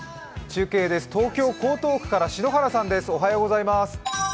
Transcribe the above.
中継です、東京・江東区から篠原さん。